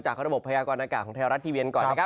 จากระบบพยากรณากาศแท้วรัฐทีเวียนก่อนนะครับ